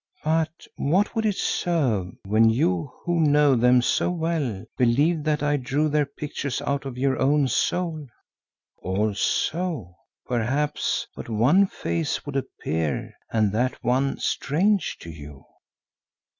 "But what would it serve when you who know them so well, believed that I drew their pictures out of your own soul? Also perchance but one face would appear and that one strange to you.